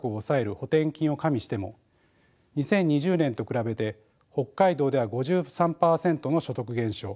補填金を加味しても２０２０年と比べて北海道では５３％の所得減少